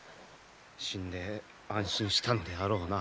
死んで安心したのであろうな。